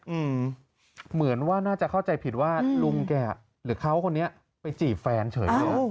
เหมือนว่าน่าจะเข้าใจผิดว่าลุงแกหรือเขาคนนี้ไปจีบแฟนเฉยด้วย